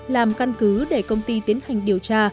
làm căn cứ để công ty tiến hành điều tra